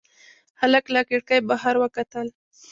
هلک له کړکۍ بهر وکتل.